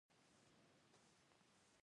هغه سړو سره مو د خداے په اماني وکړه